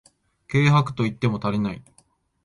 軽薄と言っても足りない